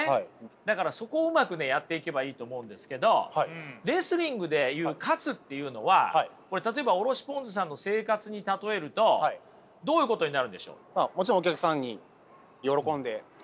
だからそこをうまくやっていけばいいと思うんですけどレスリングで言う勝つっていうのは例えばおろしぽんづさんの生活に例えるとどういうことになるんでしょう？